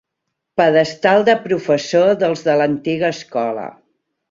Pedestal de professor dels de l'antiga escola.